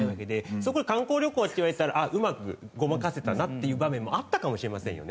そこ観光旅行って言われたらあっうまくごまかせたなっていう場面もあったかもしれませんよね。